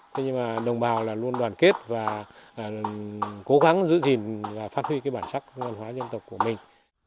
thế nhưng mà đồng bào là luôn đoàn kết và cố gắng giữ gìn và phát huy cái bản sắc văn hóa dân tộc của mình